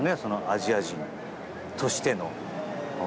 アジア人としての。